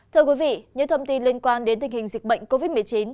thưa quý vị những thông tin liên quan đến tình hình dịch bệnh covid một mươi chín